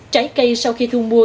trái cây sau khi thu mua